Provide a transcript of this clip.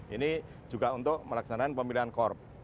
ini juga untuk melaksanakan pemilihan korp